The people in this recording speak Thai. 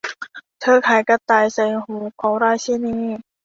เธอขายกระต่ายใส่หูของราชินี